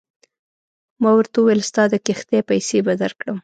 ما ورته وویل ستا د کښتۍ پیسې به درکړم.